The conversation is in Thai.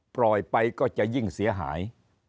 ปล่อยไปก็จะยิ่งเสียหาย